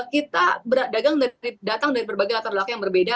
kita datang dari berbagai latar belakang yang berbeda